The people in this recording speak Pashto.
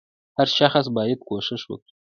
• هر شخص باید کوښښ وکړي.